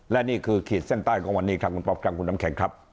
และนี่คือขีดเส้นใต้ของวันนี้ครับคุณป๊อปครับคุณน้ำแข็งครับ